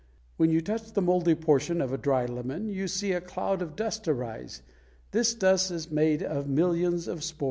When you touch the moldy portion of a dry lemon, you see a cloud of dust rise. This dust is made of millions of spores.